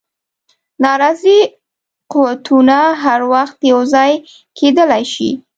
ناراضي قوتونه هر وخت یو ځای کېدلای شي.